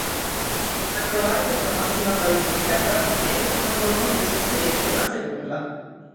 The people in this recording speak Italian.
Per provare questa massima talmudica, Rabbi Meir mandò uno dei suoi studenti a sedurla.